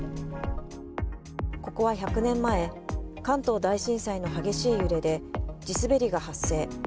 ここは１００年前、関東大震災の激しい揺れで地すべりが発生。